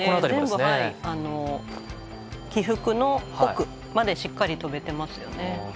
全部、起伏の奥までしっかりとべてますよね。